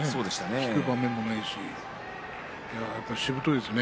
引く場面もないしやっぱりしぶといですね